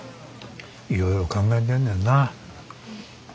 いろいろ考えてんねんな。